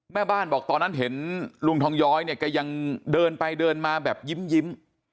แม่บ้านบอกตอนนั้นเห็นลุงทองย้อยเนี่ยแกยังเดินไปเดินมาแบบยิ้ม